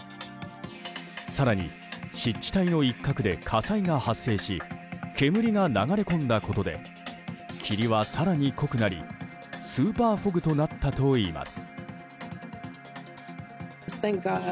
更に湿地帯の一角で火災が発生し煙が流れ込んだことで霧は更に濃くなりスーパーフォグとなったといいます。